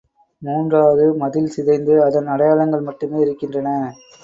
மூன்றாவது மதில் சிதைந்து அதன் அடையாளங்கள் மட்டுமே இருக்கின்றன.